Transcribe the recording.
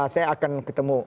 saya akan ketemu